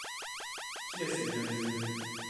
Qui a si bien visé ?